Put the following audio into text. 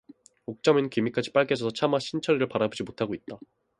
옥점이는 귀밑까지 빨개져서 차마 신철이를 바라보지 못하고 있다.